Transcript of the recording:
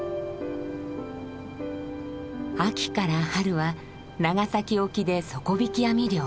秋から春は長崎沖で底引き網漁。